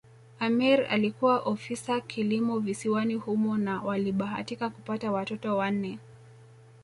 Ameir alikuwa ofisa kilimo visiwani humo na walibahatika kupata watoto wanne